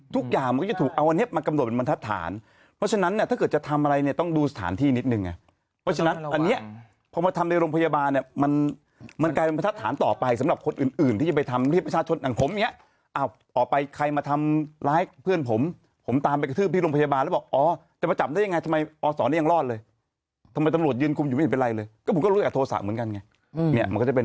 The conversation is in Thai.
ทุกอย่างมันจะถูกเอาอันเนี้ยมากำหนดเป็นบรรทัดฐานเพราะฉะนั้นเนี่ยถ้าเกิดจะทำอะไรเนี่ยต้องดูสถานที่นิดหนึ่งอ่ะเพราะฉะนั้นอันเนี้ยพอมาทำในโรงพยาบาลเนี่ยมันมันกลายเป็นบรรทัดฐานต่อไปสำหรับคนอื่นอื่นที่จะไปทำพิชาชนอย่างผมอย่างเงี้ยอ้าวออกไปใครมาทำร้ายเพื่อนผมผมตามไปกระทืบที่